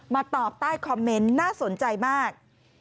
ตอบใต้คอมเมนต์น่าสนใจมาก